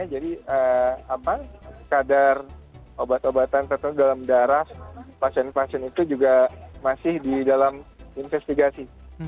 jadi apa kadar obat obatan terkait dalam darah pasien pasien itu juga masih di dalam investigasi